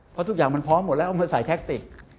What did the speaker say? เพราะทุกอย่างมันพร้อมหมดแล้วอำเภอใส่แท็กติก